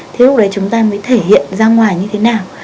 thế lúc đấy chúng ta mới thể hiện ra ngoài như thế nào